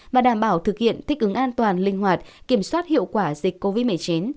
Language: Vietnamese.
và đảm bảo thực hiện thích ứng an toàn linh hoạt kiểm soát hiệu quả dịch covid một mươi chín